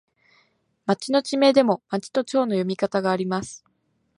町の地名でも、まちとちょうの読み方があります。